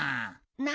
何？